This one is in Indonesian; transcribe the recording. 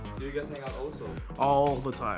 kamu berdua juga berada di sini